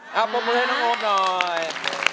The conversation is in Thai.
ครับปรบมือให้น้องโอมหน่อย